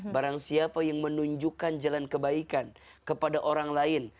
barang siapa yang menunjukkan jalan kebaikan kepada orang lain